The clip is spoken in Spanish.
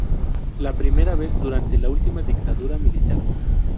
La primera vez, durante la última dictadura militar.